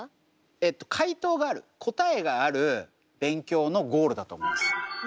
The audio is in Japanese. えっと解答がある答えがある勉強のゴールだと思います。